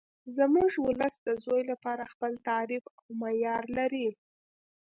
زموږ ولس د زوی لپاره خپل تعریف او معیار لري